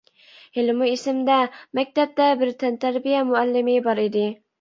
ھېلىمۇ ئېسىمدە، مەكتەپتە بىر تەنتەربىيە مۇئەللىمى بار ئىدى.